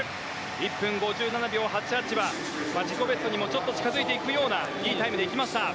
１分５７秒８８は自己ベストにも近づいていくようないいタイムで行きました。